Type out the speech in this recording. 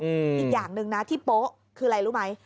อีกอย่างหนึ่งนะที่โป๊ะคืออะไรรู้ไหม